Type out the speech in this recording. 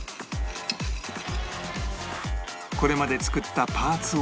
これまで作ったパーツを切って